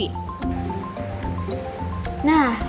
nah saya sudah mendownload aplikasi ini